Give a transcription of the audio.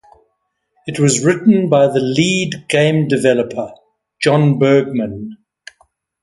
It was written by the lead game developer, John Bergman.